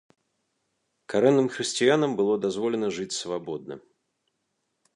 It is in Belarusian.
Карэнным хрысціянам было дазволена жыць свабодна.